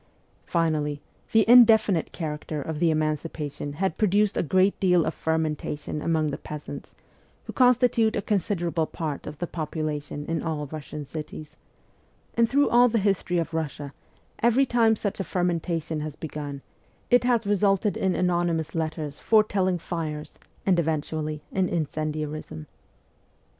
Finally, the indefinite character of the emancipa tion had produced a great deal of fermentation among the peasants, who constitute a considerable part of the population in all Russian cities ; and through all the history of Russia, every time such a fermentation has begun it has resulted in anonymous letters foretelling fires, and eventually in incendiarism.